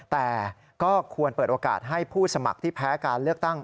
แต่ก็ควรเปิดโอกาสให้ผู้สมัครที่แพ้การเลือกตั้ง